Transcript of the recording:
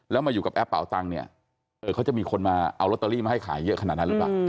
แล้วมาอยู่กับแอปเป่าตังค์เนี่ยเขาจะมีคนมาเอาลอตเตอรี่มาให้ขายเยอะขนาดนั้นหรือเปล่า